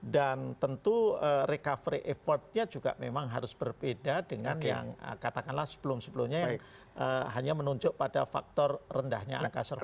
dan tentu recovery effortnya juga memang harus berbeda dengan yang katakanlah sebelum sebelumnya yang hanya menunjuk pada faktor rendahnya angka survei